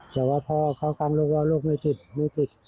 แต่ว่าพ่อเขากำลูกว่าลูกไม่ติดไม่ติด